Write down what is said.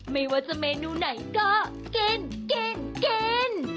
ไม่ว่าจะเมนูไหนก็กินกิน